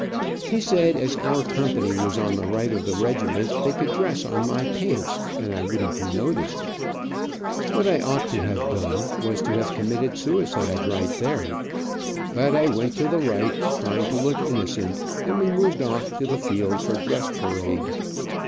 He said as our company was on the right of the regiment, they could dress on my pants, and I wouldn't be noticed. What I ought to have done, was to have committed suicide right there, but I went to the right, trying to look innocent, and we moved off to the field for dress parade.